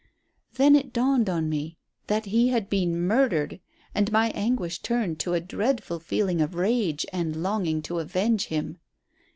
Then it dawned on me that he had been murdered, and my anguish turned to a dreadful feeling of rage and longing to avenge him.